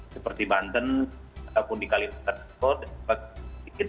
seperti banten ataupun di kalimantan